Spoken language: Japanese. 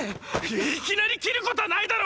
いきなり切るこたァないだろ！